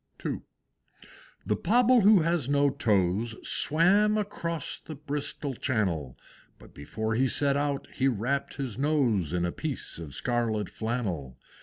II. The Pobble who has no toes, Swam across the Bristol Channel; But before he set out he wrapped his nose In a piece of scarlet flannel.